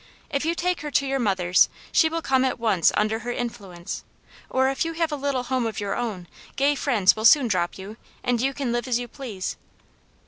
If you take her to your mother's she will come at once under her influence, or if you have a little home of your own, gay friends will soon drop you, and you can live as you please."